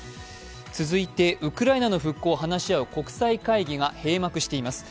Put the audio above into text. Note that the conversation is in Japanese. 続いて、ウクライナの復興を話し合う国際会議が閉幕しています。